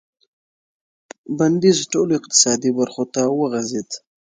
بندیز ټولو اقتصادي برخو ته وغځېد.